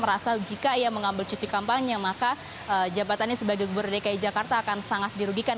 merasa jika ia mengambil cuti kampanye maka jabatannya sebagai gubernur dki jakarta akan sangat dirugikan